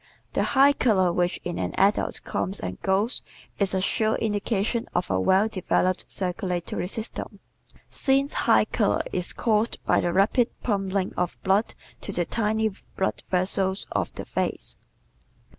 The high color which in an adult comes and goes is a sure indication of a well developed circulatory system, since high color is caused by the rapid pumping of blood to the tiny blood vessels of the face.